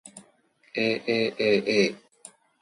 aaaa